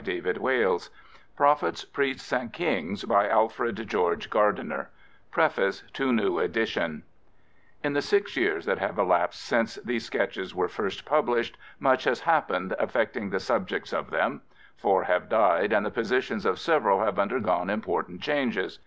Gardiner) LEAvIs^IN THE WIND MANY FURROWS PEBBLES ON THE SHORE WINDFALLS PREFACE TO NEW EDITION In the six years that have elapsed since these sketches were first published, much has happened affecting the subjects of them. Four have died, and the positions of several have undergone im portant changes.